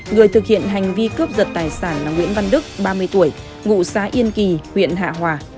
người thực hiện hành vi cướp giật tài sản là nguyễn văn đức ba mươi tuổi ngụ xã yên kỳ huyện hạ hòa